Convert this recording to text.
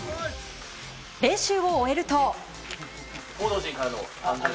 練習を終えると。